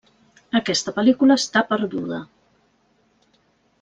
Aquesta pel·lícula està perduda.